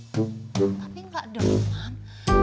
tapi gak dengar mam